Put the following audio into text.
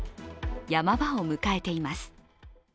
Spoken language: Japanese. ヤマ場を迎えています。